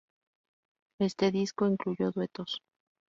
Este disco incluyó duetos.